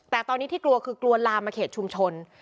แต่ตอนนี้ที่กลัวคือกลัวลามมาเขตชุมชน